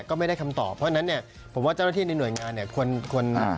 ก็ไม่ได้คำตอบเพราะฉะนั้นเนี่ยผมว่าเจ้าหน้าที่ในหน่วยงานเนี่ย